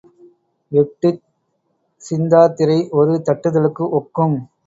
எட்டுச் சிந்தாத்திரை ஒரு தட்டுதலுக்கு ஒக்கும்.